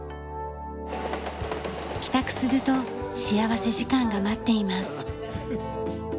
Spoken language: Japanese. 帰宅すると幸福時間が待っています。